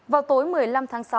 vào tối một mươi năm tháng sáu